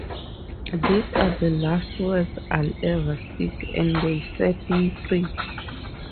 These are the last words I'll ever speak, and they'll set me free.